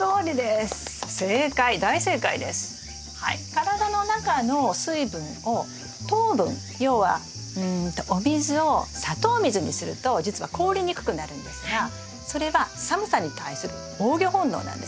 体の中の水分を糖分要はお水を砂糖水にすると実は凍りにくくなるんですがそれは寒さに対する防御本能なんですよね。